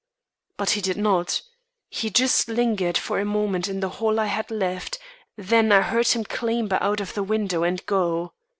But he did not; he just lingered for a moment in the hall I had left, then I heard him clamber out of the window and go.